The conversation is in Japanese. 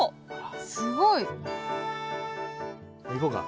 すごい。いこうか。